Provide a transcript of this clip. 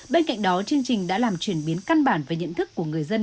bên cạnh đó chương trình đã làm chuyển biến căn bản về nhận thức của người dân